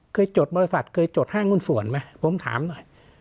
จดบริษัทเคยจดห้างหุ้นส่วนไหมผมถามหน่อย